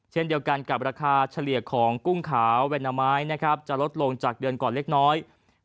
เช่นเดียวกันกับราคาเฉลี่ยของกุ้งขาวแวนนาไม้จะลดลงจากเดือนก่อนเล็กน้อย